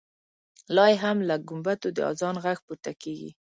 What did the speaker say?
لا یې هم له ګمبدو د اذان غږ پورته کېږي.